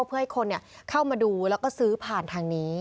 เพื่อให้คนเข้ามาดูแล้วก็ซื้อผ่านทางนี้